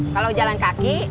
kalau jalan kaki